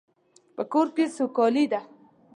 په کور کې سوکالی ده